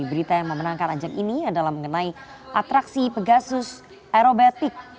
berita yang memenangkan ajang ini adalah mengenai atraksi pegasus aerobatik